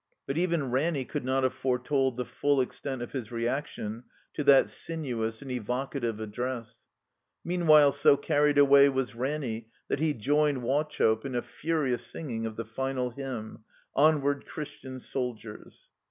But even Ranny could not have foretold the full extent of his reaction to that sinuous and evocative Address. Meanwhile, so carried away was Ranny that he joined Wauchope in a furious singing of the final h3mm, "Onward, Christian so o oldier ers